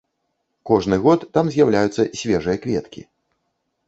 Кожны год там з'яўляюцца свежыя кветкі.